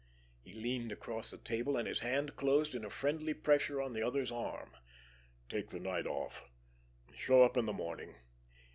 He leaned across the table, and his hand closed in a friendly pressure on the other's arm. "Take the night off. Show up in the morning.